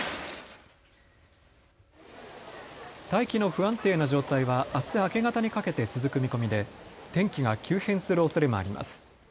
大気の不安定な状態はあす明け方にかけて続く見込みで天気が急変するおそれもあります。